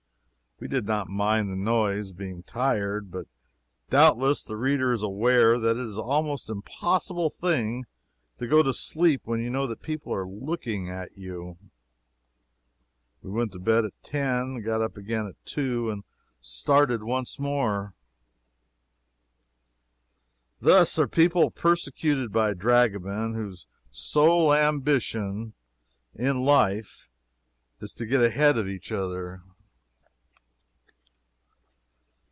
We did not mind the noise, being tired, but, doubtless, the reader is aware that it is almost an impossible thing to go to sleep when you know that people are looking at you. We went to bed at ten, and got up again at two and started once more. Thus are people persecuted by dragomen, whose sole ambition in life is to get ahead of each other.